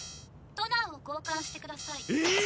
「トナーを交換してください」ええーっ！？